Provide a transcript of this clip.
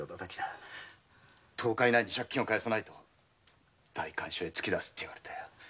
十日以内に借金を返さないと代官所に突き出すと言われた。